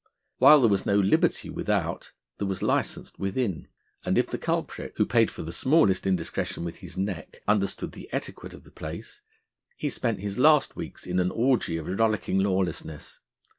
While there was no liberty without, there was licence within; and if the culprit, who paid for the smallest indiscretion with his neck, understood the etiquette of the place, he spent his last weeks in an orgie of rollicking lawlessness.